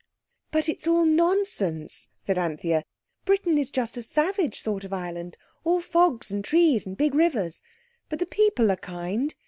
"But it's all nonsense," said Anthea. "Britain is just a savage sort of island—all fogs and trees and big rivers. But the people are kind.